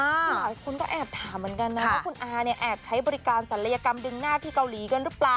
คือหลายคนก็แอบถามเหมือนกันนะว่าคุณอาเนี่ยแอบใช้บริการศัลยกรรมดึงหน้าที่เกาหลีกันหรือเปล่า